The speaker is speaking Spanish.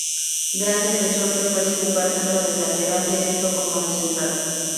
Gran defensor que puede jugar tanto de lateral derecho como de central.